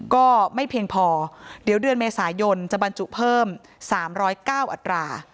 ก็ไม่เพียงพอเดี๋ยวเดือนเมษายนจะบรรจุเพิ่ม๓๐๙อัตรา